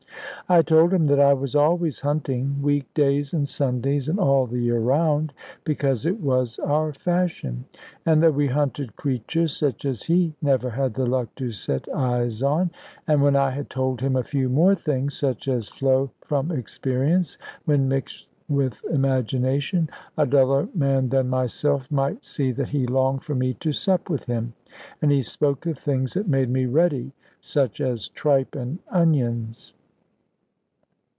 I told him that I was always hunting, week days, and Sundays, and all the year round, because it was our fashion; and that we hunted creatures such as he never had the luck to set eyes on. And when I had told him a few more things (such as flow from experience, when mixed with imagination), a duller man than myself might see that he longed for me to sup with him. And he spoke of things that made me ready, such as tripe and onions.